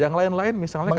yang lain lain misalnya